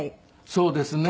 そうですね。